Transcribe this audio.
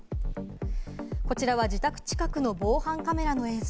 こちらは自宅近くの防犯カメラの映像。